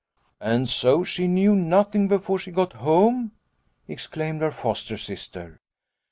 " And so she knew nothing before she got home ?" exclaimed her foster sister.